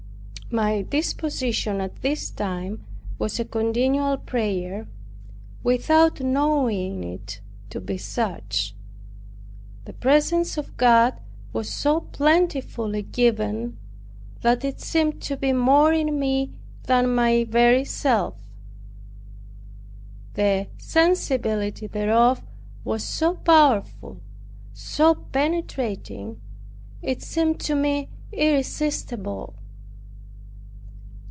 My disposition at this time was a continual prayer, without knowing it to be such. The presence of God was so plentifully given that it seemed to be more in me than my very self. The sensibility thereof was so powerful, so penetrating, it seemed to me irresistible.